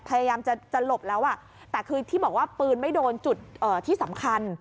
พยายามจะหลบแล้วแต่คือที่บอกว่าปืนไม่โดนจุดที่สำคัญ